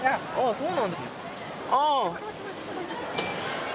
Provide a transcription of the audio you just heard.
そうなんですね。